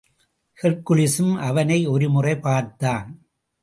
ஹெர்க்குலிஸும் அவனை ஒரு முறை பார்த்தான்.